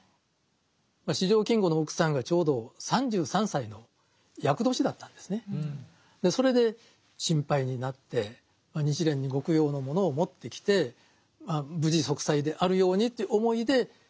四条金吾の奥さんがちょうどそれで心配になって日蓮にご供養のものを持ってきて無事息災であるようにという思いで持ってきた。